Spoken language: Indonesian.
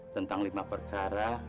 tentang lima percara